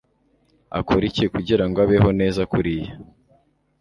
akora iki kugirango abeho neza kuriya